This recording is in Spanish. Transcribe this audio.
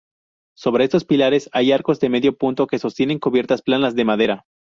Sobre estos pilares hay arcos de medio punto que sostienen cubiertas planas de madera.